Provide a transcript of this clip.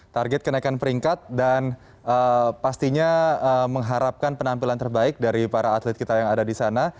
target kenaikan peringkat dan pastinya mengharapkan penampilan terbaik dari para atlet kita yang ada di sana